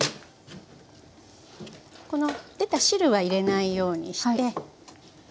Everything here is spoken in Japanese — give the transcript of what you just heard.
この出た汁は入れないようにして。